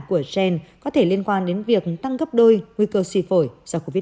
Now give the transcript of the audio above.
của gen có thể liên quan đến việc tăng gấp đôi nguy cơ suy phổi do covid một mươi